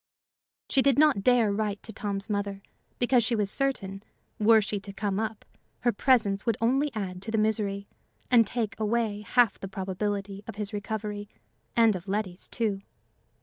She did not dare write to Tom's mother, because she was certain, were she to come up, her presence would only add to the misery, and take away half the probability of his recovery and of Letty's, too.